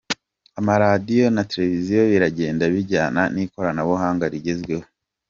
Amaradiyo na televisiyo biragenda bijyana n’ikoranabuhanga rigezweho.